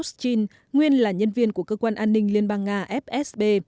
astin nguyên là nhân viên của cơ quan an ninh liên bang nga fsb